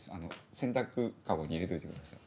洗濯かごに入れといてください。